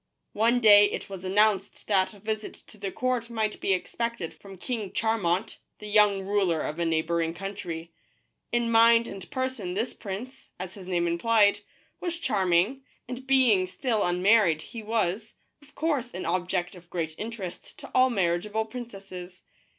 One day it was announced that a visit to the court might be expected from King Charmant, the young ruler of a neighboring country. In mind and person this prince, as his name implied, was charming, and being still unmarried he was, of course, an object of great interest to all marriage* able princesses.